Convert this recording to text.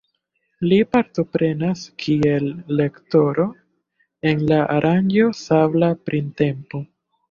Li partoprenas kiel lektoro en la aranĝo Sabla Printempo.